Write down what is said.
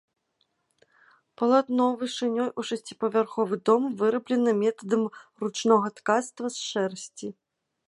Палатно вышынёй у шасціпавярховы дом выраблена метадам ручнога ткацтва з шэрсці.